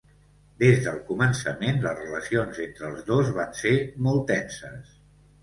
Des del començament, les relacions entre els dos van ser molt tenses.